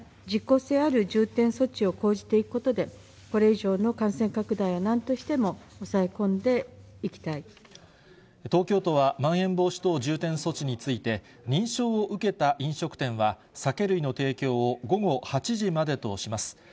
実効性ある重点措置を講じていくことで、これ以上の感染拡大をな東京都はまん延防止等重点措置について、認証を受けた飲食店は酒類の提供を午後８時までとします。